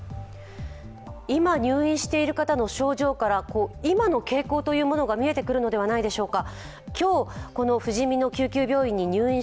今、入院している方の症状から今の傾向が見えてくるのではないでしょうか。